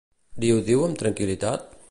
Li ho diu amb tranquil·litat?